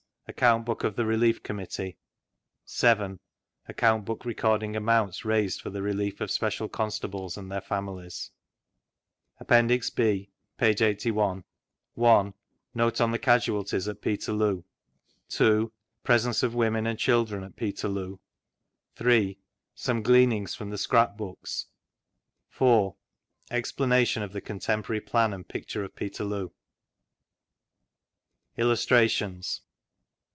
Account Book of tbe Relief Committee. 7. Account Book recording amounts raised for the relief of Special Constables and their families. APPENDIX B 1. Note on the Casualties at Peterloo. 2. Presence of women and children at Peterloo. 3. Some gleanings from the Scrap Books. 4 Eiplanation of th« Contemporary Flan ajid Picture at P«terloo. 3369::; vGoogIc Illustrations.